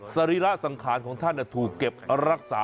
สรีระสังขารของท่านถูกเก็บรักษา